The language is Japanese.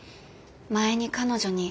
前に彼女に。